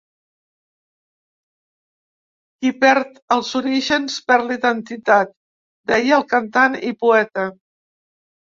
Qui perd els orígens perd la identitat, deia el cantant i poeta.